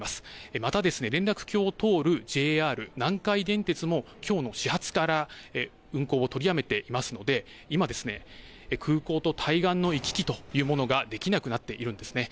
また連絡橋を通るＪＲ南海電鉄もきょうの始発から運行を取りやめていますので今、空港と対岸の行き来というものができなくなっているんですね。